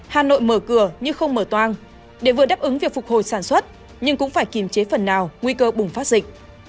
hà nội mở cửa nhưng không mở toang để vừa đáp ứng việc phục hồi sản xuất nhưng cũng phải kiềm chế phần nào nguy cơ bùng phát dịch